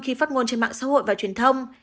khi phát ngôn trên mạng xã hội và truyền thông